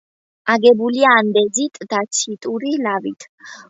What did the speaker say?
აგებულია ანდეზიტ-დაციტური ლავით.